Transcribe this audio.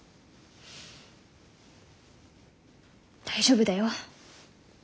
大丈夫だよ。